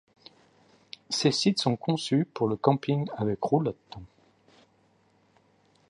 Ces sites sont conçus pour le camping avec roulotte.